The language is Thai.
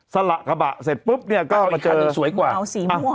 สละกระบะเสร็จปุ๊บเนี่ยก็มาเจอเอาสีม่วง